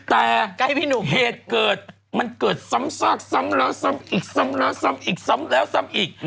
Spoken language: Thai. แต่เหตุเกิดมันเกิดซ้ำซากซ้ำแล้วซ้ำอีกซ้ำแล้วซ้ำอีกซ้ำแล้วซ้ำอีก